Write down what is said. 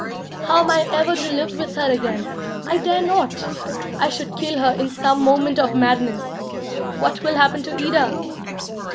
How am I ever to live with her again? I dare not! I should kill her in some moment of madness! What will happen to Ida?"